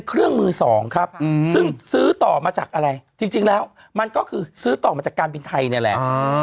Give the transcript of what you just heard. เครื่องมือสองครับซึ่งซื้อต่อมาจากอะไรจริงแล้วมันก็คือซื้อต่อมาจากการบินไทยนี่แหละ